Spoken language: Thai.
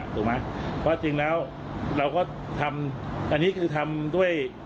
ถูกไหมเพราะจริงแล้วเราก็ทำอันนี้คือทำด้วย